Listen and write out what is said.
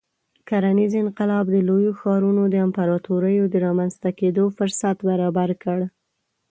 کرنیز انقلاب د لویو ښارونو او امپراتوریو د رامنځته کېدو فرصت برابر کړ.